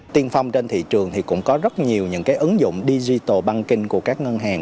tiên phong trên thị trường thì cũng có rất nhiều những cái ứng dụng digital banking của các ngân hàng